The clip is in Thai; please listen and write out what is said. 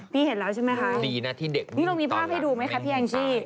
พี่เห็นแล้วใช่ไหมคะพี่ลงนี้ภาพให้ดูไหมคะพี่แองซี่